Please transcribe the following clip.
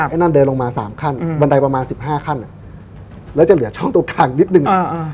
นั่นเดินลงมา๓ขั้นบันไดประมาณ๑๕ขั้นแล้วจะเหลือช่องตรงกลางนิดนึง